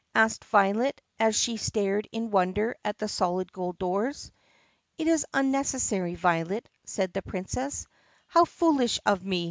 asked Violet as she stared in wonder at the solid gold doors. "It is unnecessary, Violet," said the Princess. "How foolish of me